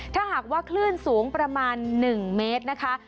ถ้าหากว่าคลื่นสูงประมาณ๑เมตรนะคะ